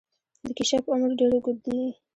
د کیشپ عمر ډیر اوږد وي